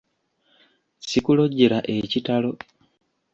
Sikulojjera ekitalo!